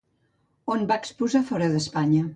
On va exposar fora d'Espanya?